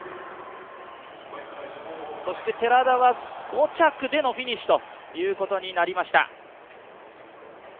そして寺田は５着でのフィニッシュということになりました。